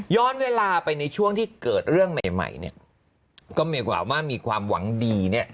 ย้อนเวลาไปในช่วงที่เกิดเรื่องใหม่เนี่ยก็เหมือนกับว่ามีความหวังดีเนี่ย